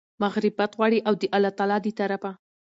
مغفرت غواړي، او د الله تعالی د طرفه